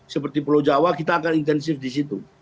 seperti pulau jawa kita akan intensif di situ